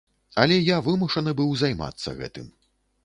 Але я вымушаны быў займацца гэтым.